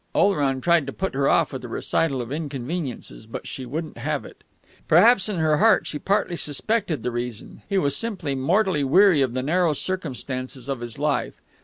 Oleron tried to put her off with a recital of inconveniences, but she wouldn't have it. Perhaps in her heart she partly suspected the reason. He was simply mortally weary of the narrow circumstances of his life.